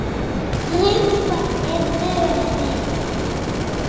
Рымчқәа еизырҳәҳәеит.